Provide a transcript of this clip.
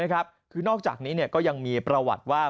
คือนอกจากนี้ก็ยังมีประวัติว่า